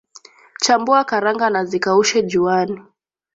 Chambua karanga na zikaushe juani